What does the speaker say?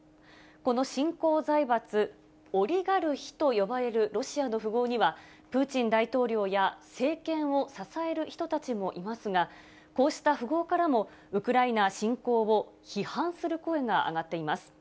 この新興財閥、オリガルヒと呼ばれるロシアの富豪には、プーチン大統領や政権を支える人たちもいますが、こうした富豪からも、ウクライナ侵攻を批判する声が上がっています。